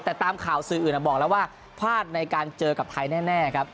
แต่ตามข่าวสื่ออื่นบอกแล้วว่าพลาดในการเจอกับไทยแน่ครับ